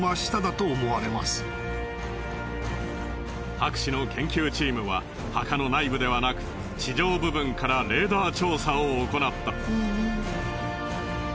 博士の研究チームは墓の内部ではなく地上部分からレーダー調査を行った。